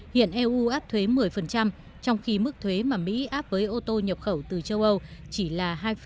hiện eu áp thuế một mươi trong khi mức thuế mà mỹ áp với ô tô nhập khẩu từ châu âu chỉ là hai năm